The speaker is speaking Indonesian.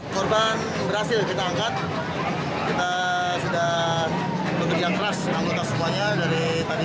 korban berhasil kita angkat kita sudah bekerja keras anggota semuanya dari tadi